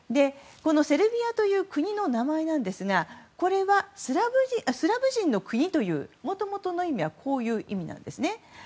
このセルビアという国の名前なんですがこれはスラブ人の国というもともとの意味はこういう意味なんです。